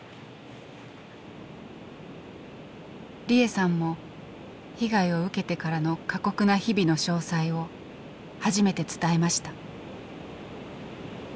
利枝さんも被害を受けてからの過酷な日々の詳細を初めて伝えました。